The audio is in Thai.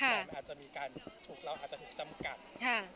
แต่มันอาจจะมีการถูกเราอาจจะถูกจำกัด